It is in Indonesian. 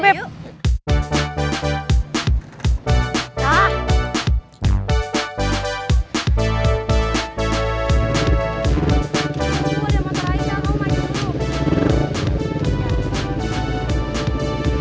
gue udah mau terakhir mau maju dulu